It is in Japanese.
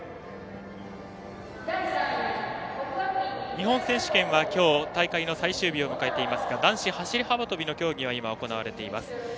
日本選手権は大会の最終日を迎えていますが男子走り幅跳びの競技が今、行われています。